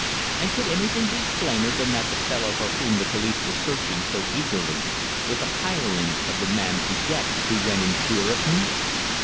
And could anything be plainer than that the fellow for whom the police were searching so eagerly was a hireling of the man De Gex who went in fear of me?